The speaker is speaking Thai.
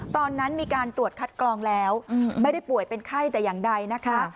ตอนนั้นมีการตรวจคัดกรองแล้วไม่ได้ป่วยเป็นไข้แต่อย่างใดนะคะ